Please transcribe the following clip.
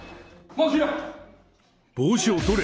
帽子を取れ！